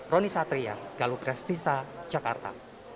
roni satria galuh prestisa jakarta